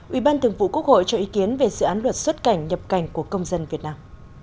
ủy ban thường vụ quốc hội cho ý kiến về dự án luật xuất cảnh nhập cảnh của công dân việt nam